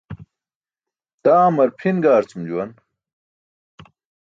Taamar pʰin gaarcum juwan.